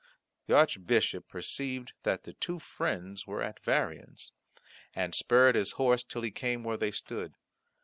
The Archbishop perceived that the two friends were at variance, and spurred his horse till he came where they stood.